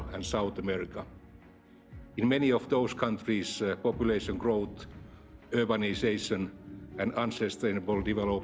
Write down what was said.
di banyak negara negara tersebut kembang populasi urbanisasi dan praktik pembangunan yang tidak berkontrol